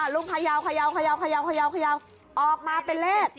ลุงเขย่าออกมาเป็นเลข